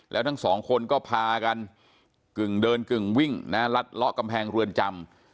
แล้วทั้งสองคนก็พากันกึ่งเดินกึ่งวิ่งนะรัดเลาะกำแพงเรือนจำ